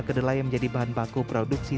kedelai menjadi bahan baku produksi